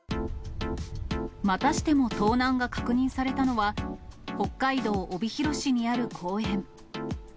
またしても盗難が確認されたのは、北海道帯広市にある公園。